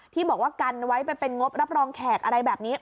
ที่บอกว่ากันไว้ไปเป็นงบรับรองแขกอะไรแบบนี้